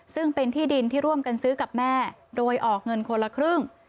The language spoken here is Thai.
ซึ่งเป็นที่ดินที่ร่วมกันซื้อกับแม่โดยออกเงินคนละครึ่ง